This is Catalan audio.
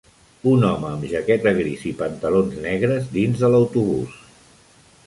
Un home amb jaqueta gris i pantalons negres dins de l'autobús.